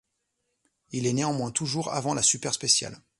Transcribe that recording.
Il est néanmoins toujours avant la super-spéciale.